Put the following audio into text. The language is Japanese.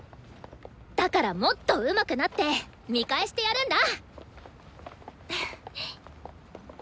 だからもっとうまくなって見返してやるんだ！